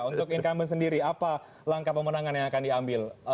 untuk incumbent sendiri apa langkah pemenangan yang akan diambil